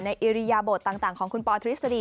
ในอิริยาโบร์ดต่างของคุณปธฤษฎี